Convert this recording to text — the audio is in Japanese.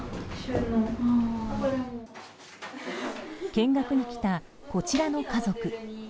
見学に来た、こちらの家族。